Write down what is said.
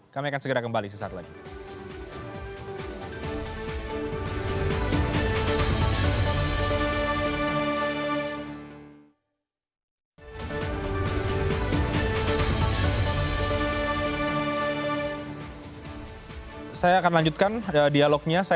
kami akan segera kembali sesaat lagi